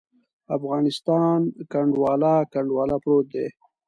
افغانستان کنډواله، کنډواله پروت دی.